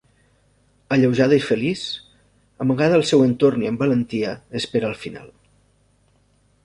Alleujada i feliç, amaga al seu entorn i amb valentia espera el final.